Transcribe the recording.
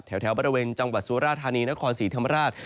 แถวบริเวณจังหวัดสุราธานีนครศรีธรรมราช